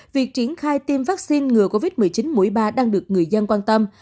việc triển khai tiêm vaccine ngừa covid một mươi chín mũi ba đang được người dân quan tâm